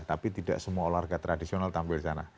tapi tidak semua olahraga tradisional tampil di sana